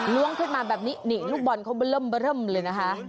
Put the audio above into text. ล้วงขึ้นมาแบบนี้นี่ลูกบอลเขาเริ่มเลยนะคะ